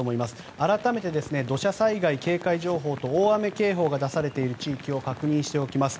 改めて、土砂災害警戒情報と大雨警報が出されている地域を確認します。